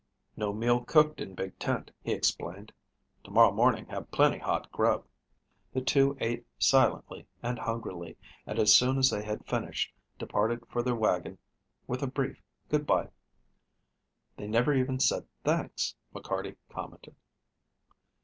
"No meal cooked in big tent," he explained. "To morrow morning have plenty hot grub." The two ate silently and hungrily, and as soon as they had finished departed for their wagon with a brief "Good by." "They never even said thanks," McCarty commented.